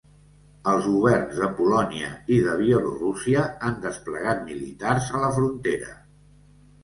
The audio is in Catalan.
Els governs de Polònia i de Bielorússia han desplegat militars a la frontera.